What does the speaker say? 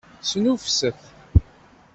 Snuffset!